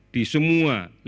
di semua daerah